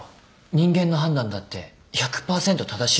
人間の判断だって１００％正しいとは限らない。